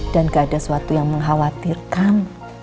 dan gak ada suatu yang mengkhawatirkan